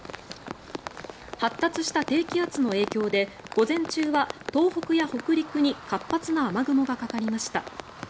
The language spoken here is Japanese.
発達した低気圧の影響で午前中は東北や北陸に活発な雨雲がかかりました。